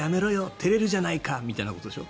照れるじゃないかってことでしょ？